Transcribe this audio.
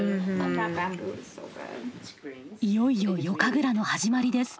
いよいよ夜神楽の始まりです。